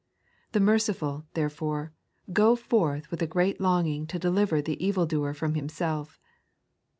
The merciful, therefore, go forth with a great longing to deliver the evildoer from himself.